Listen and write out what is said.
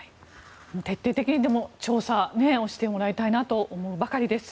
徹底的にでも調査をしてもらいたいと思うばかりです。